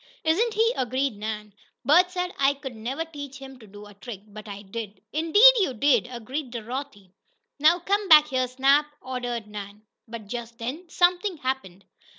"Isn't he!" agreed Nan. "Bert said I never could teach him to do a trick, but I did." "Indeed you did!" agreed Dorothy. "Now come back here, Snap!" ordered Nan. But just then something happened.